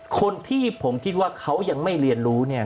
คนที่ผมคิดว่าเขายังไม่เรียนรู้เนี่ย